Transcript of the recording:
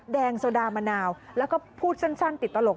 โซดามะนาวแล้วก็พูดสั้นติดตลก